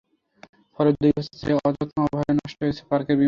ফলে দুই বছর ধরে অযত্ন-অবহেলায় নষ্ট হয়ে গেছে পার্কের বিভিন্ন রাইড।